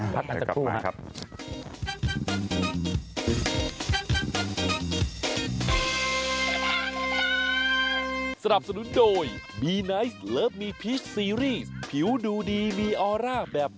พักกันสักครู่ครับ